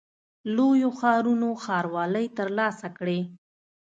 لویو ښارونو ښاروالۍ ترلاسه کړې.